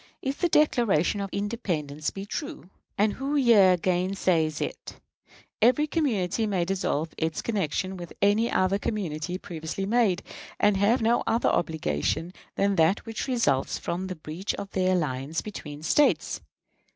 If the Declaration of Independence be true (and who here gainsays it?), every community may dissolve its connection with any other community previously made, and have no other obligation than that which results from the breach of an alliance between States.